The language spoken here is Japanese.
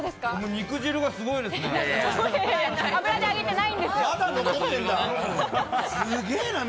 肉汁がすごいですね。